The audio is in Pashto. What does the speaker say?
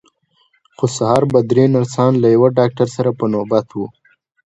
خو سهار به درې نرسان له یوه ډاکټر سره په نوبت وو.